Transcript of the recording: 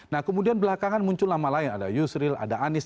nah kemudian belakangan muncul nama lain ada yusril ada anies